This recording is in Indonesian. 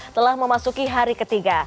telah memasuki hari ketiga